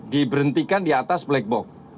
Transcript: diberhentikan di atas black box